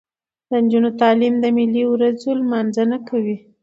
د نجونو تعلیم د ملي ورځو نمانځنه کوي.